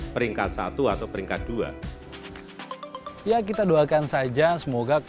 peringkat satu atau peringkat dua